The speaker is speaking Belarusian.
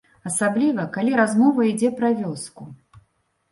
Асабліва, калі размова ідзе пра вёску.